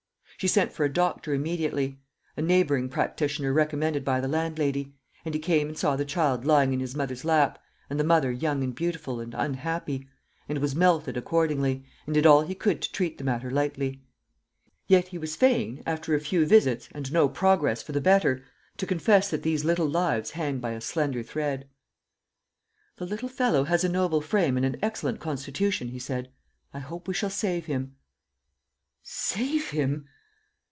She sent for a doctor immediately a neighbouring practitioner recommended by the landlady and he came and saw the child lying in his mother's lap, and the mother young and beautiful and unhappy, and was melted accordingly, and did all he could to treat the matter lightly. Yet he was fain, after a few visits, and no progress for the better, to confess that these little lives hang by a slender thread. "The little fellow has a noble frame and an excellent constitution," he said; "I hope we shall save him." Save him!